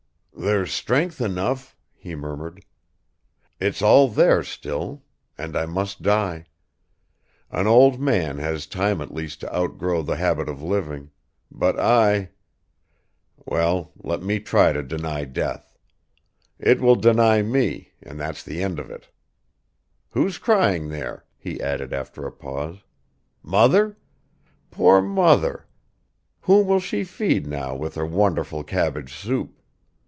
"There's strength enough," he murmured. "It's all there still, and I must die ... An old man has time at least to outgrow the habit of living, but I ... well, let me try to deny death. It will deny me, and that's the end of it! Who's crying there?" he added after a pause. "Mother? Poor mother! Whom will she feed now with her wonderful cabbage soup?